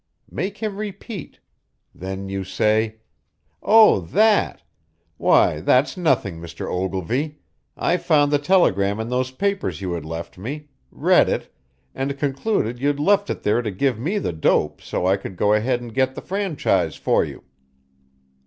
Make him repeat. Then you say: 'Oh, that! Why, that's nothing, Mr. Ogilvy. I found the telegram in those papers you left with me, read it, and concluded you'd left it there to give me the dope so I could go ahead and get the franchise for you.